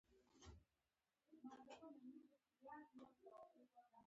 همزولو به پيغور راکاوه.